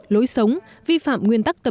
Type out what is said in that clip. lối sống vi phạm nguyên tắc tập trung